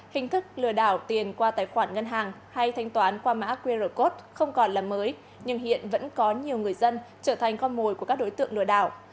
hình thức lừa đảo tiền qua tài khoản ngân hàng hay thanh toán qua mã qr code không còn là mới nhưng hiện vẫn có nhiều người dân trở thành con mồi của các đối tượng lừa đảo